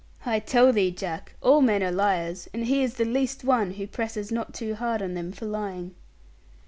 I tell thee, Jack, all men are liars; and he is the least one who presses not too hard on them for lying.'